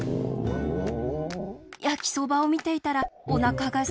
やきそばをみていたらおなかがすいてきました。